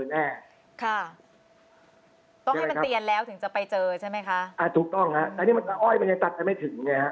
แล้วถึงจะไปเจอใช่ไหมคะอ่าถูกต้องฮะแต่นี่มันก็อ้อยมันยังตัดไปไม่ถึงเนี้ยฮะ